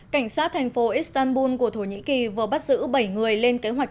cảnh sát thành phố istanbul của thổ nhĩ kỳ vừa bắt giữ bảy người lên kế hoạch